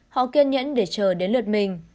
họ kiên nhẫn để chờ đến lượt mình